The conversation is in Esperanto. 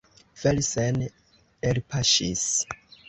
Felsen elpaŝis.